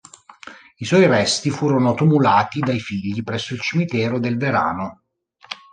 I suoi resti furono tumulati dai figli presso il Cimitero del Verano.